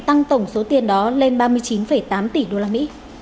tăng tổng số tiền đó lên ba mươi chín tám tỷ usd